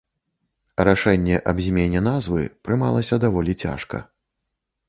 Рашэнне аб змене назвы прымалася даволі цяжка.